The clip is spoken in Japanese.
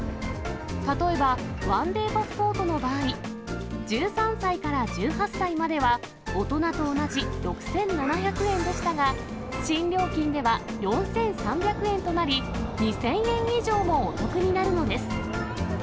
例えば１ＤＡＹパスポートの場合、１３歳から１８歳までは大人と同じ６７００円でしたが、新料金では４３００円となり、２０００円以上もお得になるのです。